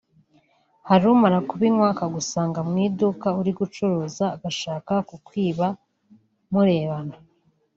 Hari umara kubinywa akagusanga mu iduka uri gucuruza agashaka kukwiba murebana